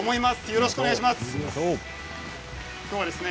よろしくお願いします。